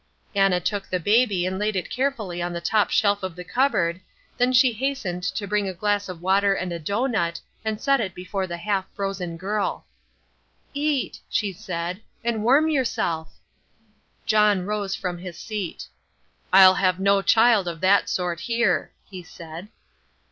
Anna took the baby and laid it carefully on the top shelf of the cupboard, then she hastened to bring a glass of water and a dough nut, and set it before the half frozen girl. "Eat," she said, "and warm yourself." John rose from his seat. "I'll have no child of that sort here," he said.